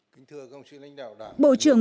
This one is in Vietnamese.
kính thưa công sĩ lãnh đạo đảng